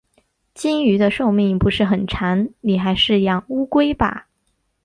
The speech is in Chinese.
金鱼的寿命不是很长，你还是养乌龟吧。